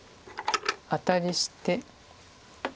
アタリして。